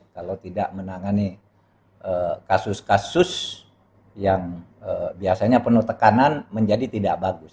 kalau tidak menangani kasus kasus yang biasanya penuh tekanan menjadi tidak bagus